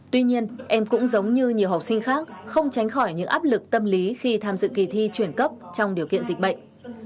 tuy nhiên em cũng giống như nhiều học sinh khác không tránh khỏi những áp lực tâm lý khi tham dự kỳ thi chuyển cấp trong điều kiện dịch bệnh